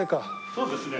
そうですね。